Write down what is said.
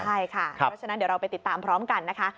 ใช่ค่ะเพราะฉะนั้นเดี๋ยวเราไปติดตามพร้อมกันนะคะ